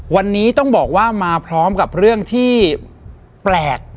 วันนี้ต้องบอกว่ามาพร้อมกับเรื่องที่แปลก